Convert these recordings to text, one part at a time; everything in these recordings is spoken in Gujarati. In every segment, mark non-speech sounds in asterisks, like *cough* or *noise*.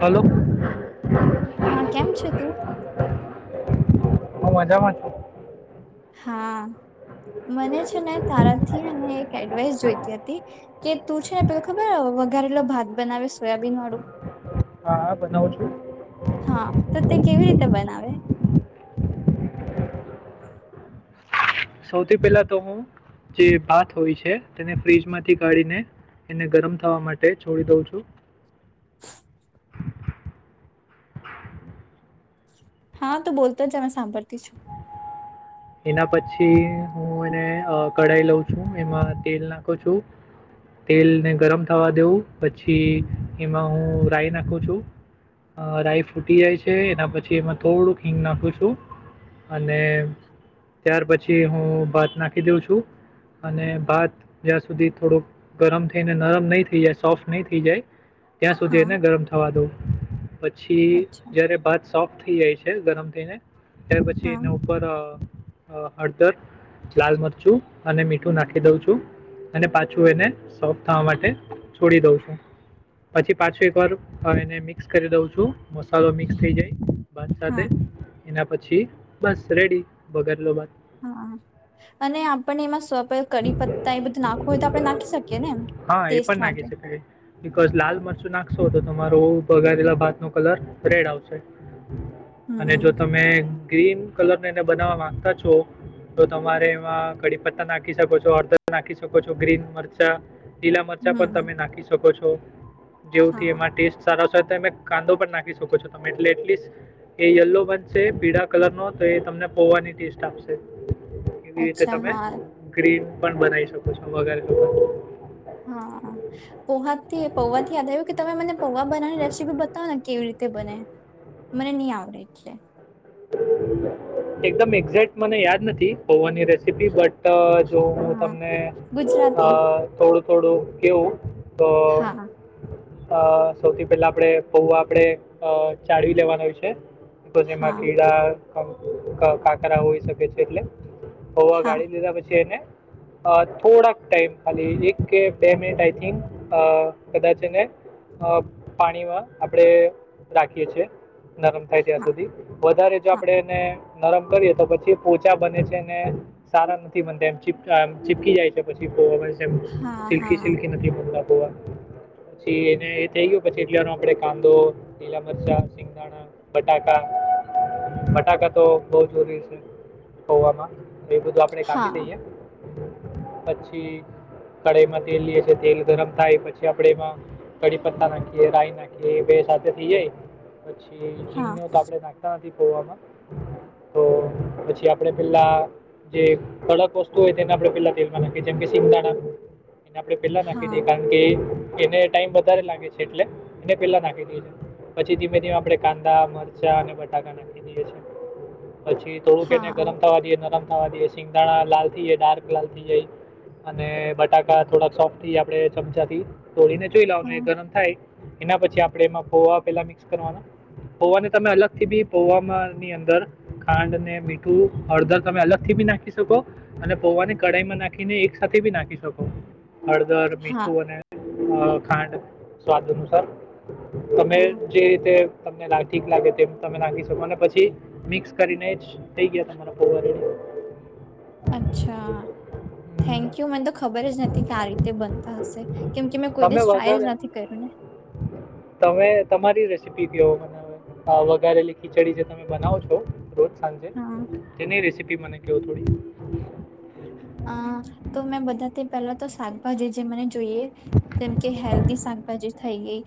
હલો હું હા કેમ છે તું મજામાં છું. હા મને છે ને તારાથી હેને એક એડવાઈસ જોઈતી હતી. કે તું છે ને પેલો ખબર વગ વઘારેલો ભાત બનાવે સોયાબીન વાળું હા હા બનાવું છું હા તો તે કેવી રીતે બનાવે? સૌથી પહેલા તો હું જે ભાત હોય છે તેને ફ્રીજમાંથી કાઢીને એને ગરમ થવા માટે છોડી દઉં છું. હા તું બોલતો જા મેં સાંભળતી છું. એના પછી હું એને અ કડાઈ લઉં છું એમાં તેલ નાખું છું તેલને ગરમ થવા દેઉં પછી એમાં હું રાઈ નાખું છું રાઈ ફૂટી જાય છે એના પછી એમાં થોડુંક હિંગ નાખું છું અને ત્યાર પછી હું ભાત નાખી દઉં છું અને ભાત જ્યાં સુધી થોડોક ગરમ થઈને નરમ નહી થઈ જાય સોફ્ટ નહી થઈ જાય ત્યાં સુધી હા એને ગરમ થવા દઉં પછી અચ્છા જયારે ભાત સોફ્ટ થઈ જાય છે છે ગરમ થઈ ને ત્યાર પછી હા એને ઉપર અ હળદર લાલ મરચું અને મીઠું નાખી દઉં છું અને પાછું એને સોફ્ટ થવા માટે છોડી દઉં છું પછી પાછું એક વાર એને મિક્સ કરી દઉં છું મસાલો મિક્સ થઇ જાય ભાત હા સાથે એના પછી છી બસ રેડી. બધા લોકા હા અને આપણને એમાં સો *unintelligible* કડી પત્તા એ બધું નાખવું હોય તો આપણે નાખી શકીએ ને એમ હા એ ટેસ્ટ પણ નાખી માટે. શકાય વઘારેલા ભાતનો કલર રેડ આવશે. અને જો હમ તમે ગ્રીન કલર નેને બનાવા માંગતા છો. તો તમારે એમાં કડી પત્તા નાખી શકો છો, હડદર નાખી શકો છો, ગ્રીન મરચા લીલા મરચા પણ હમ તમે નાખી શકો છો. જેવું થી હા એમાં ટેસ્ટ સારા તમે કાંદો પણ નાખી શકો છો તમે એટલે એટલીસ્ટ એ યલો બનશે પીડા કલર નો તો એ તમને હોવાની ટેસ્ટ આપશે. એવી રીતે અચ્છા તમે હા ગ્રીન પણ બનાવી શકો છો વઘારેલો ભાત. હા પોહા થી પૌવા થી યાદ આવ્યું કે તમે મને પૌવા બનાવાની રેસીપી બતાવો ને કેવી રીત તે બને મને નઈ આવડે એટલે. એકદમ એક્ઝેક્ટ મને યાદ નથી પૌંઆની રેસીપી બટ ટ જો હું હા તમને અ ગુજરાતી થોડું થોડું કેવું તો હા અ સૌથી પેલા આપડે પૌવા આપડે અ ચાળવી લેવાના હોય છે હા કીડા કા કાંકરા હોઈ શકે છે એટલે. પૌવા હા ગાડી લીધા પછી એને અ થોડાક ટાઈમ ખાલી એક કે બે મિનિટ આઈ થિંક અ કદાચ એને અ પાણીમાં આપડે રાખીએ છીએ. નરમ થાય ત્યાં હા સુધી. વધારે જો આપડે એને નરમ કરીએ તો પછી પોચા બને છે ને સારા નથી બનતા એમી ચિપ ચીપકી જાય છે પછી પૌવા હા સિલ્કી હા સિલ્કી નદી પછી એને થઈ ગયો પછી એટલેનો આપે કાંદો, લીલા મરચા, સિંગદાણા, બટાકા બટાકા તો બવ જરૂરી છે પૌંઆમાં. એ બધું આપડે કાપી હા હા લઈએ. પછી કઢાઈમાં તેલ લઈએ છે. તેલ ગરમ થાય પછી આપણે એમાં કઢી પત્તા નાખીએ, રાય નાખીએ બે સાથે થઈ જાય પછી હા હિંગને તો આપડે ના તો પછી આપે પેલા જે કડક વસ્તુ હોય તેને આપણે પેલા તેલમાં નાખીએ જેમ કે સિંગદાણા એને આપડણે પેલા નાખી હા દઈએ કારણ કે એને ટાઈમ વધારે લાગે છે એટલે એને પેલા નાખી દે છે પછી ધીમે ધીમે આપડે કાંદા મરચા અને ટકા ના કી દ છે પછી થોડુંક એને હા ગરમ થવા દઈએ નરમ વા દએ સિંગદાણા લાલ થઈ જાય ડાર્ક લાલ થઈ જાય અને બટાકા થોડાક સોફ્ટ થાય આપણે ચમચાથી- તોડીીને જોઈ લવાનું હા એ ગરમ થાય. એના પછી આપડણે એમાં પોવા પેલા મિક્સ કરવાના પોવાને તમે અલગ થી બી પોવામાંની અંદર ખાંડ ને મીઠું હળદર તમે અલગ થી બી નાખી શકો અને પોવાની કડાાઈમાં નાખીને એક સાથે બી નાખી શકો હળદરર હા મીઠું બને છે અ ખાંડ સ્વાદ અનુસાર તમે હા જે રીતે તમને ઠીક લાગે તેમ તમે નાખી શકો અને પછી મિક્સ કરીને જ થઈ ગયા તમારા પોવા રેડી અચ્છા થેન્ક યુ મને તો ખબર જ નથી કે આ રીતે બનતા હશે કેમ કે મેં કોઈ તમે દિવસ ટ્રાયલ વગર જ નથી કર્યું ને તમે તમારી રેસીપી જેવ બનાવે ારેલી ખીચડી જે તમે બનાવો છો રોજ સંજે હા તેને રેસિપી મને કયો થોડી અ તો મેં બધાથી પહેલા તો શાકભાજી જે મને જોઈએ જેમ કે હેલ્ધી શાકભાજી થઈ ગઈ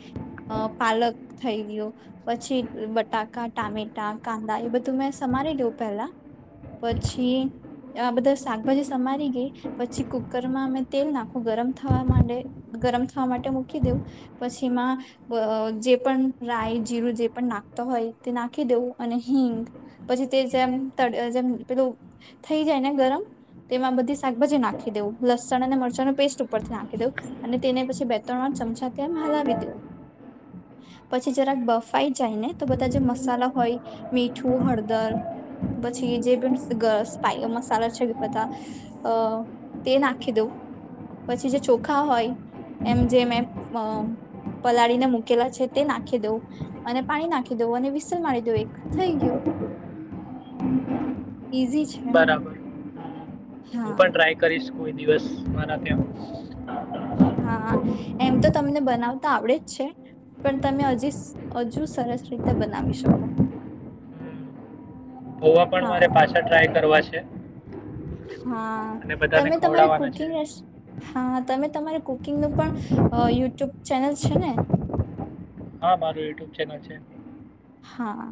અ પાલક થઈ ગયયો પછી બટાકા ટામેટા કાંદા એ બધું મેં સમારી લઉ પેલા પછી આ બધા શાકભાજી સમારી ગઈ પછી કુકરમાં અમે તેલ નાખવ ગરમ થવા માં ગરમ થવા માટે મૂકી દેવું પછીમાં જે પણ રાય જીરું જે પણ નાખતો હોય તે નાખી દેવું અને હિંગ પછી તે જેમ જેમ પેલું થઈ જાય ને ગરમ તેમાં બધી શાકભાજી નાખી દઉં લસણ અને મરચાંનો પેસ્ટ ઉપરથી નાખી દઉં અને તેને પછી બે ત્રણ વાર ચમચાથીમ હલાવી દેવું પછી જરાક બફાઈ જાયને તો બધા જે મસાલા હોય મીઠું હળદર પછી જે પણ મસાલા છે બધા અ તે નાખી દઉં પછી જે ચોખા હોય એમ જે મેં પલાળીને મૂકેલા છે તે નાખી દઉં અને પાણી નાખી દઉં અને વિસલ મારી દઉં એક થઈ ગયું ઇઝી છે બરાબર હું હા પણ ટ્રાય કરીશ કોઈ દિવસ મારા ત્યાં હા એમ તો તમને બનાવ તો આવડે જ છે પણ તમે હજી હજુ સરસ રીતે બનાવી શકો હોવા પણ મારે હા પાછા ટ્રાય કરવા છે છે હા તમે તમારી ખવડાવવાના છે કુકિંગ હા તમે તમારે ક કુકિંગનું પણ યુટ્યુબ ચેનલ છે ને હા મારું યુટ્યુબ ચેનલ છે હા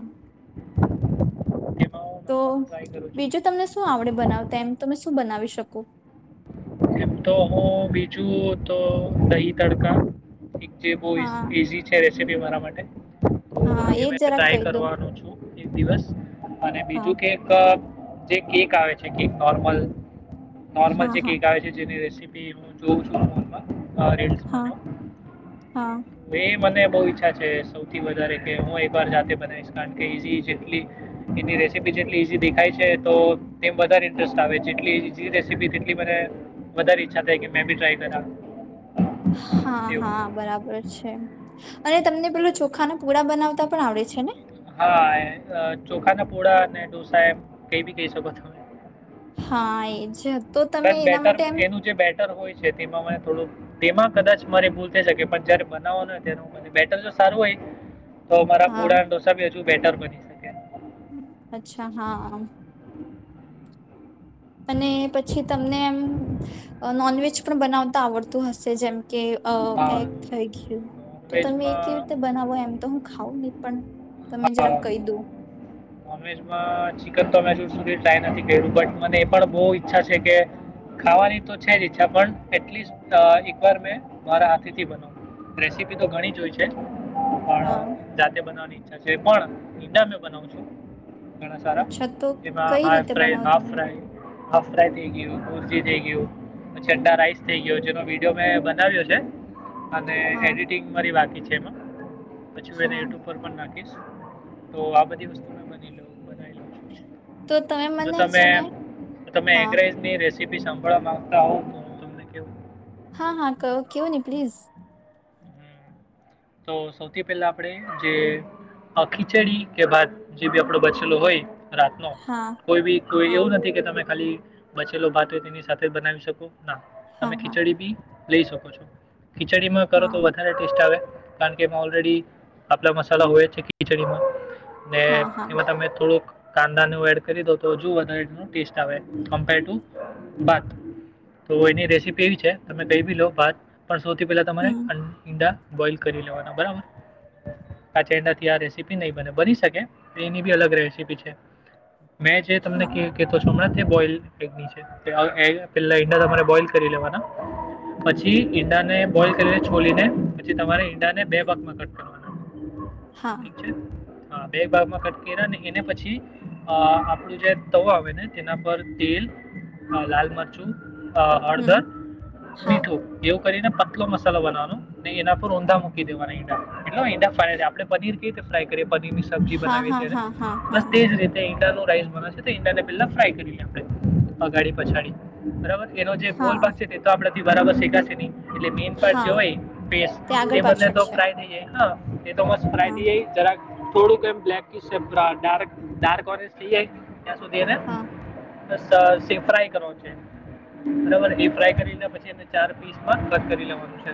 *inaudible* તો નાખવાનું ટ્રાય કરું છું બીજું તમને શું આવડે બનાવતા એમ તમે શું બનાવી શકો જુઓ તો દહી તડકા એક જે બ હા ઇઝી છે સીપી મારા માટે તો હા એ એજ મેં જરાક ટ્રાય કહી દઉ કરવાનો છું એક દિવસ અને બીજું કેક જે કેક આવે છે કેક નોર્મલ નોર્મલ હા જે હા કેક આવે છે જેની રેસીપ જોવું છોમાં હા હા એ મ બ ઈચ્છા છે સૌથી વધારે કે હું એક વાર જાતે બ કે ઈ જેટ એની રેસીપી જેટલી ઈઝી દેખાય છે તો તેમ વધારે ઇન્ટરેસ્ટ આવે જેટલી ઈઝી રેસીપી તેટલી મને વધારે ઈચ્છા થાય કે મે બી ટ્રાય કર હા હા બરાબર છે અને તમને પેલોું ચોખા ન પૂરા બનાવતા પણ આવડે છે ને હા અ ચોખા ના પોળા અને ઢોસા એમ કઈ બી કહી શકો તમે હા એજ તો તમે બસ એના બેટર માટે એમ એનું જે બેટર હોય છે તેમાં થોડું તેમાં કદાચ મારે ભૂલ થઈ શકે પણ જયારે બનાવો ત બેટર તો સારું હોય તો અમારા હા પુડા ઢોસા બી હજુ બેટર બની *inaudible* અચ્છા હા અને પછી તમને એમ નોનવેજ પણ બનાવતા આવડતું હશે જેમ કે હા એક થઈ ગયું તો તમે એ કેવી નોનવેજમાં રીતે બનાવો એમ તો હું ખાવં નહી પણ તમે જરાક કહી દઉ ચ તો મેધી ટ્રાય નથી કર્યું બટ મને એ પણ બહ ઈચ્છા છે કે ખાવાની તો છે જ ઈચ્છા પણ એટ એકવાર મે મારા હાથી બ તો ઘણી જ હોય છે હા પણ જાતે બનાવાની છે પણ ઘણા સારા અચ્છા તો એમાં કઈ હા રીતે ફ્રાય બનાવો હાફ તમે ફાય હાફ ફ્રાય થઈ ગયું કુરજી થઇ ગયું ચડા રાઈસ થઈ ગયો જેનો વિડીયો મેં બનાવ્યો છે. અને હા એડિટિંગ મારી બાકી છે એમાં પછી વ હા ટર પણ નાખી તો આ બધી વસ્તુ લ બનાવી લઉ છું તો તમે જો મને તમે છે ને હા તમેની ર રસીપી સાંભળવા માંગતા હોઉં તો હું તમને કેવું. હા હા ક કવો ને પ્લીઝ હમ. તો સૌથી પહેલા આપણે જે ખીચડી કે ભાત જે બી આપણો બચેલો હોય. રાત ન હા કોઈ બી કોઈ હા એવું નથી કે તમે ખાલી બચેલો ભાતય તેની સાથે જ બનાવી શકોું. ના હા તમે હા ખીચડી બી. લઈ શકો છો. ખીચડી માં કરો તો હા વધારે ટેસ્ટ આવે. કારણ કે ઓલરેડી આપલા મસાલા હોય છે ખિચડીમાં ને હા હા એમાં તમે થોડુંક. કાંદાનું એડ કરી દો તોજ ટેસ્ટ આવેપ ટત તોની રેસીપી એવી છે તમે ક લો ભાત પણ સૌથી પહેલાં તમારે હમ ઈંડા *inaudible* કારની હાઈ બરાબર થી રપી નહી બ બનીકે એનીી અલગ રેસીપી છે મેં જે તમને હા કતો છો હમણાં. પેલા ઈંડા તમારે બોલ કરી લેવાના પછી ઈંડાને બોલ કરી છોલીને પછી તમારે ને બે ભાગમાં કટ કરવાના હા અચ છે બે ભાગમાં કટકીને અને એને પછી આપણું જે તવો આવે ને તેના પર તેલ લાલ મરચું અ હમ હડધર હા મીઠું એવું કરીને પતલો મસાલો બનાવાનો એના પર ઊંધા મ દેવાના એ આપણે પનીરઈ રીતે ફ્રાય કરીએ પનીર ની સબ્જીી હા હા બનાવીને હા હા હા બસ તેજ રતે બ ંડા પેલા ફ્રાય કરી લ આપ અગાડી પછાડી બબર એનો જે ગોલ હા પાાગ છે તે તો આપડ બરાબર શીખાશે નહી એટલે મેન પાર્ટ જે હા હોય તે આગળ બધ પાછળ તો છે ફ્રાય થઈ જાય એ તો હા મસ્પનાઈતી જરા થોડું કે એમ બ્લેક ક્ ડાર્ક ઓરેજ થ ત્યાં સુધી એને હા સ ફ્રાય કરવા છે બરાબર એ ફ્રાય કરી લ પછી એ ચાર પીસ કક કરી લેવાનું છે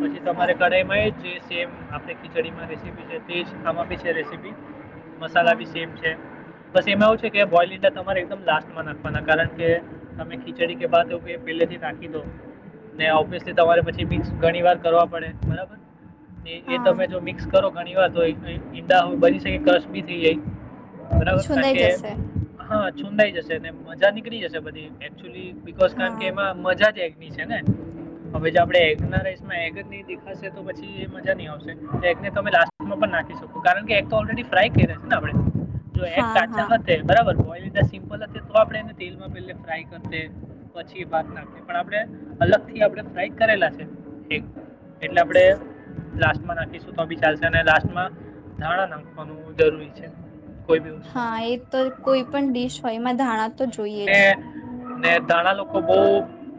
પછી તમારે સારું એમાં એ છે, સેમ, આપડે ખીચડીમાં રેસીપી છે તેજ આમા બી છે રેસીપી. મસાલા હા બી સેમ છે. બસ એમાં એવું છે કે બોલ ઇડા તમારે એકમ લાસ્ટમાં નાખવાના કારણ કે, તમે ખીચડી કે ભાત એવુ કઈ પલેથી નાખી દો, ને ઓબ્વીયસલી તમારે પછી મિક્સ ઘણી વાર કરવા પડે બરાબર? એ એ હા તમે જો મિક્સ કરો ઘણી વાત હોય, તો ઈ ઈંડા બરી શકે, કસ બી થઈ જાય. બરાબર છુંંદાઈ કાકે, જશે હા. છુંદાઈ જશે ને મજા નીકળી જશે બધી એ ક્ચુલી, બીકોઝ કાળકે હા એમાં મજા જ એ ની છે ને, હવે જો આપડે એગ ના રાઈસ એગ જ ની દે ખાસે તો પછી એ મજા નહી આવશે, એગને તમે લાસ્ટમાં પણ નાખી શકો કારણકે એગ તો ઓલ્ડરેડી ફ્રાય કૈરા છે ને આપણે? જો એક હા કાચા હા હતા બરાબર હોય એવી રીતે સિમ્પલ અજ તો આપડે એને તેલમાં પેલે ફ્રાય કરતે, પછી એ ભાત નાખતે પણ આપણે અલગ થી આપણે ફ્રાય કરેલા છે. *unintelligible* એટલે આપણેે લાસ્ટમાં નાખીશું તો બી ચાલશે અને લાસ્ટમાં ધાણા નાખવાનું જરૂરી છે. કોઈ બી હા વસ્તુમાં એ તો કોઈ પણ ડીશ હમ હોય, એમાં ધાણા તો જોઈએ જ. ને ને ધાણા લોકો બહુ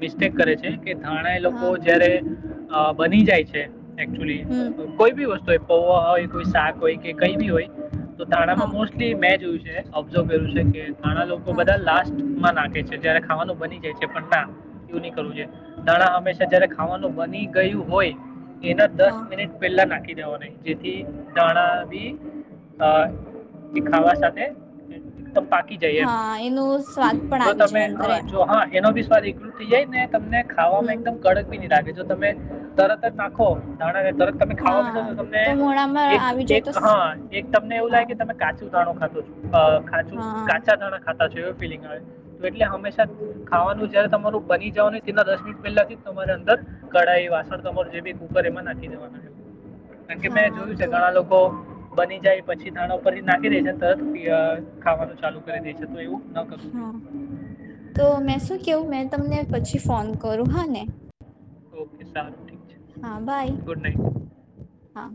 મિસ્ટેક કરે છે. કે ધાણા એ હા લોકો જ્યારે આ બની જાય છે એકચુલી, હમ અ કોઈ બી વસ્ તુ હોય પૌવા હોય, કોઈ શાક હોય કે કઈ બી હોય તો હા ધાણામાં મોસ્ટલી મેં જોયુંશ છે ઓબ્ઝર્વ કર્યું છે કે ઘણા લોકો હા બધા લાસ્ટ મર લાગે છે જ્યારે ખાવાનું બની જાય છે પણ ના એવું ની કરવું જોએ, દાણા હંમેશા જ્યારે ખાવાનું બની કયું હોય એના દસ હા મિનિટ પહેલા નાખી દેવાના હોય જેથી દાણા બી અ ડીખાવા સાથે ત પાકી જાઈ એમ, હા એનું સ્વાદ પણ જો આવી તમે જાય અંદર એમ હ જો હા એનો બી દિકૃ થઈ જાય ને તમને ખાવામાં હમ એકદમ કડક બી ની લાગે. જો તમે તરતજ નાખો ધા ળા ને તરત તમે ખાવા બેસો હા તમને તો મોડામાં એકા આવી જાય એક, તો સ- હ એક તમને એવું લાગે હા કે તમે કાચું સારા માટે છ. અ કાચું હા કાચા ધડા એટલે હંમેશા ખાવાનું જયારે તમારું બની જ ન તેના દસ મિનટ પહેલાથી તમારે અંદર કઢાઈ વાસણ કમોર જે બી કુકર એમાં નાખી દેવાના છે. કારણ કે મેં હા જોયું છે. તો ઘણા લોકો બની જાય પછી ધાણા ઉપર નાખી દે છે. તર ખાવાનું ચાલુ કરી દે છે. તો એવું ન કરવું જોઈએ હા તો મેં શું કેવું મેં તમને પછી ફોન કરું હા ને ઓકે સારું હા બાય ઠક ગુડ નાઇટ હા